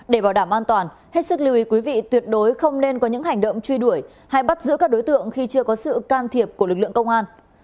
để bảo đảm an toàn hết sức lưu ý quý vị tuyệt đối không nên có những hành động truy đuổi hay bắt giữ các đối tượng khi chưa có sự can thiệp của lực lượng công an